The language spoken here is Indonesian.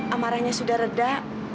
amarahnya sudah reda